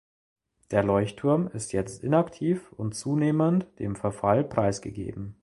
Der Leuchtturm ist jetzt inaktiv und zunehmend dem Verfall preisgegeben.